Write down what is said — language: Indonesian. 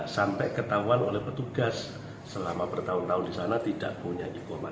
sampai ketahuan oleh petugas selama bertahun tahun di sana tidak punya ikomah